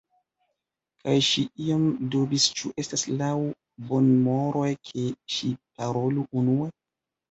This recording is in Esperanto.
Kaj ŝi iom dubis ĉu estas laŭ bonmoroj ke ŝi parolu unue.